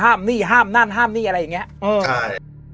ห้ามนู่นห้ามนี่ห้ามนั่นห้ามนี่อะไรอย่างเงี้ย